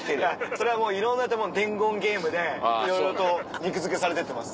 それはもういろんな伝言ゲームでいろいろと肉づけされてってます。